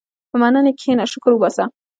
په مننې کښېنه، شکر وباسه.